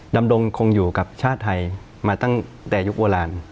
ดำรงคงอยู่กับชาติไทยมาตั้งแต่ยุคโบราณ